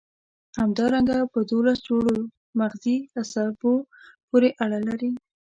همدارنګه په دوولس جوړو مغزي عصبو پورې اړه لري.